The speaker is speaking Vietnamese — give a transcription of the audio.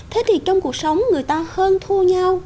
thế thì trong cuộc sống người ta hơn thu nhau